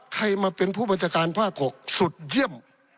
ใครมาเป็นผู้บัญชาการภาค๖สุดเยี่ยม